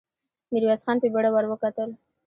ميرويس خان په بېړه ور وکتل.